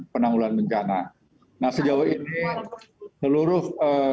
penanggulan bencana nah sejauh ini seluruh